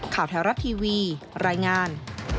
แถวรัฐทีวีรายงาน